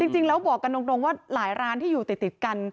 จริงแล้วบอกกันตรงว่าหลายร้านที่อยู่ติดกัน